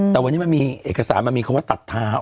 แต่วันนี้มันมีเอกสารมันมีคำว่าตัดเท้า